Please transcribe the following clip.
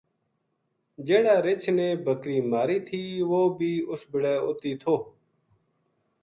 جہیڑا رچھ نے بکری ماری تھی اوہ بھی اس بِلے اُت ہی تھو